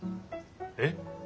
えっ？